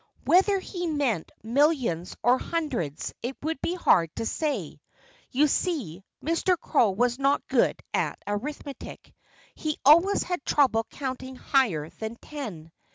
Whether he meant millions or hundreds it would be hard to say. You see, Mr. Crow was not good at arithmetic. He always had trouble counting higher than ten.